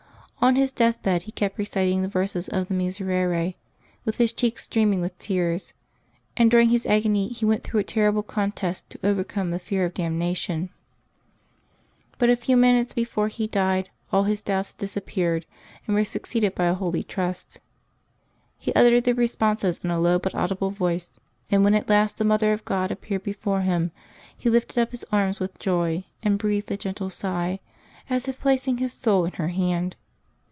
On his death bed he kept reciting the verses of the Miserere, with his cheeks streaming with tears; and during his agony he went through a terrible contest to overcome the fear of damnation. But a few 292 LIVES OF THE SAINTS [August 24 minutes before he died, all his doubts disappeared and were succeeded by a holy trust. He uttered the responses in a low but audible voice; and when at last the Mother of God appeared before him, he lifted up his arms with joy and breathed a gentle sigh, as if placing his soul in her hand.